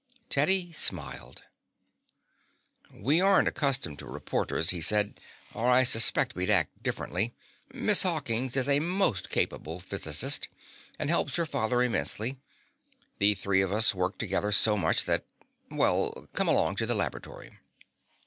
Teddy smiled. "We aren't accustomed to reporters," he said, "or I suspect we'd act differently. Miss Hawkins is a most capable physicist, and helps her father immensely. The three of us work together so much that Well, come along to the laboratory."